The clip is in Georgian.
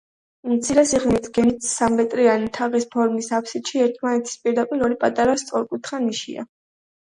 მცირე სიღრმის, გეგმით სამცენტრიანი თაღის ფორმის აფსიდში ერთმანეთის პირდაპირ ორი პატარა სწორკუთხა ნიშია.